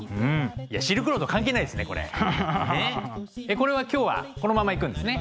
これは今日はこのままいくんですね？